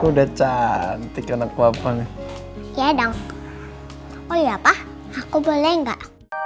udah cantik anak wapanya ya dong oh ya pak aku boleh nggak